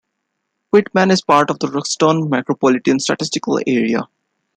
Quitman is part of the Ruston Micropolitan Statistical Area.